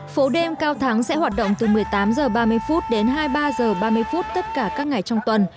phố đêm cao thắng sẽ hoạt động từ một mươi tám h ba mươi đến hai mươi ba h ba mươi tất cả các ngày trong tuần